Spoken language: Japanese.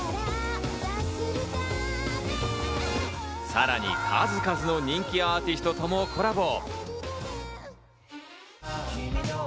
さらに数々の人気アーティストともコラボ。